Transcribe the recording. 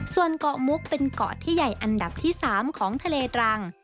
ส่วนเกาะมุกเป็นเกาะที่ใหญ่อันดับที่๓ของทะเลตรัง